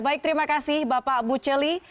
baik terima kasih bapak bu celi